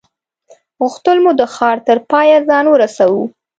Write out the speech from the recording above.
غوښتل مو د ښار تر پایه ځان ورسوو.